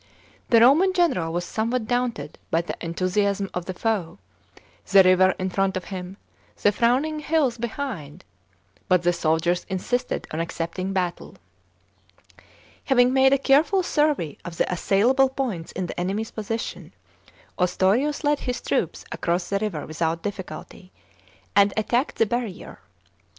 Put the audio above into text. The Roman general was somewhat daunted by the enthusiasm of the foe, the river in front of him, the frowning hills behind, but the soldiers insisted on accepting battle. Having made a careful survey of the assailable points in the enemy's position, Ostorius led his troops across the river without difficulty, and attacked the barrier.